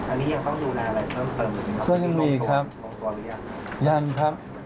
อันนี้ยังต้องดูในอะไรเพิ่มเติมหรือยังครับ